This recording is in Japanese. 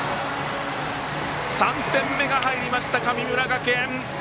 ３点目が入りました神村学園！